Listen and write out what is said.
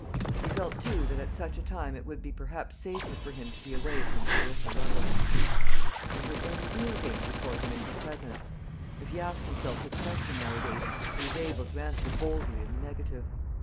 He felt, too, that at such a time it would, be perhaps safer for him to be away from Clarissa Lovel. Was there any real danger for him in her presence? If he asked himself this question nowadays, he was able to answer boldly in the negative.